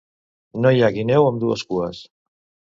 No hi ha guineu amb dues cues.